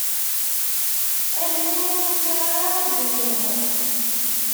Armi ur ufiɣ ara d-iniɣ.